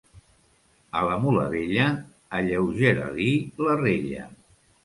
A la mula vella, alleugera-li la rella.